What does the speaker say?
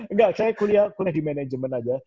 nggak saya kuliah di manajemen aja